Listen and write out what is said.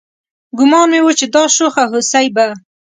ګومان مې و چې دا شوخه هوسۍ به